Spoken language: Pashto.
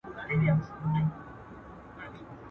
د نورو ديد د بادينزي گومان.